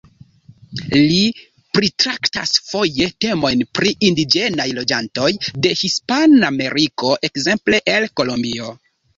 Li pritraktas foje temojn pri indiĝenaj loĝantoj de Hispanameriko, ekzemple el Kolombio.